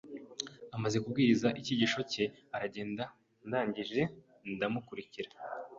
amaze kubwiriza ikigisho cye aragenda ndangije ndamukurikira,